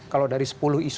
kalau dari sepuluh isu ini